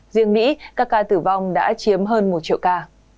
riêng mỹ các ca tử vong đã chiếm hơn một triệu ca